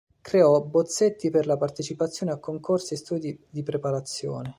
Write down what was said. Creò bozzetti per la partecipazione a concorsi e studi di preparazione.